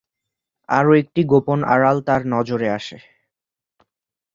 আরও একটি গোপন আড়াল তাঁর নজরে আসে।